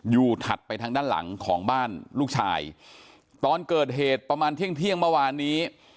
ถัดไปทางด้านหลังของบ้านลูกชายตอนเกิดเหตุประมาณเที่ยงเที่ยงเมื่อวานนี้